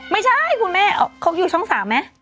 ไม่ใช่คุณแม่เขาอยู่ช่อง๓ไหม